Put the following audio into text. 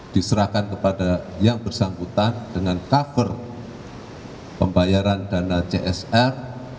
diserahkan kepada yang bersangkutan dengan cover pembayaran dana csr